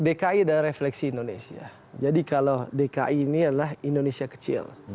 dki adalah refleksi indonesia jadi kalau dki ini adalah indonesia kecil